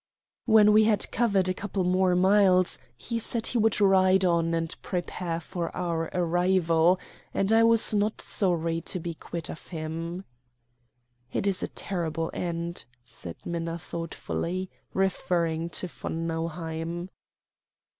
When we had covered a couple more miles, he said he would ride on and prepare for our arrival, and I was not sorry to be quit of him. "It is a terrible end," said Minna thoughtfully, referring to von Nauheim.